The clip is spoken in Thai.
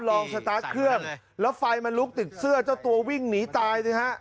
สตาร์ทเครื่องแล้วไฟมันลุกติดเสื้อเจ้าตัววิ่งหนีตายสิฮะ